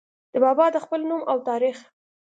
د بابا د خپل نوم او تاريخ